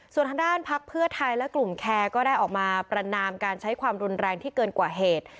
ส่วนทางด้านพักเพื่อไทยและกลุ่มแคร์ก็ได้ออกมาประนามการใช้ความรุนแรงที่เกินกว่าเหตุ